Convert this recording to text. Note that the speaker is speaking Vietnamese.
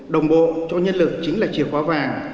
đồng bộ cho nhân lực chính là chìa khóa vàng